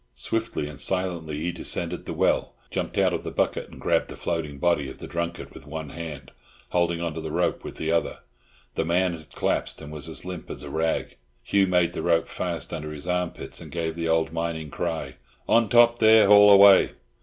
Swiftly and silently he descended the well, jumped out of the bucket, and grabbed the floating body of the drunkard with one hand, holding on to the rope with the other. The man had collapsed, and was as limp as a rag. Hugh made the rope fast under his armpits, and gave the old mining cry, "On top there, haul away."